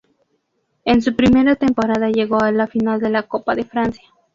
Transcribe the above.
En su primera temporada llegó a la final de la Copa de Francia.